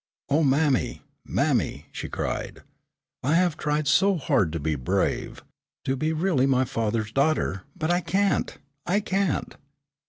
"Oh, mammy, mammy," she cried, "I have tried so hard to be brave to be really my father's daughter, but I can't, I can't.